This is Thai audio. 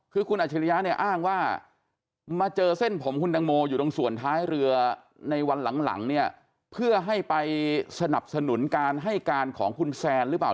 คือคุณอัจฉริยะเนี่ยอ้างว่ามาเจอเส้นผมคุณตังโมอยู่ตรงส่วนท้ายเรือในวันหลังเนี่ยเพื่อให้ไปสนับสนุนการให้การของคุณแซนหรือเปล่า